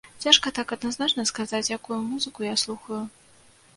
Цяжка так адназначна сказаць, якую музыку я слухаю.